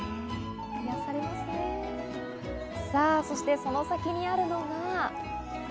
そして、その先にあるのが。